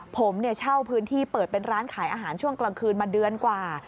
ผมเช่าพื้นที่เปิดเป็นร้านขายอาหารช่วงกลางคืนมาเดือนกว่า